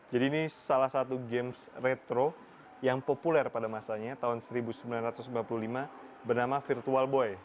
jadi ini salah satu game retro yang populer pada masanya tahun seribu sembilan ratus sembilan puluh lima bernama virtual boy